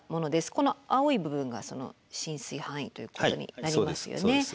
この青い部分がその浸水範囲ということになりますよね。